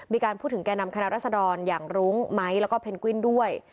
มีการพูดถึงแก่นำคณะรัศดรอย่างรุ้งไม้แล้วก็เพนกวินด้วย